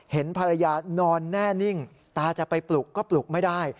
เห็นภรรยานอนแน่นิ่งตาจะไปปลุกก็ปลุกไม่ได้